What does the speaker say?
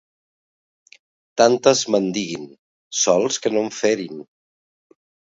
Tantes me'n diguin, sols que no em ferin.